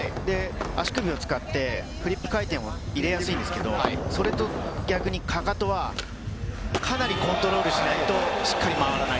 足首を使って、フリップ回転を入れやすいんですけど、それと逆に、かかとはかなりコントロールしないと、しっかり回らない。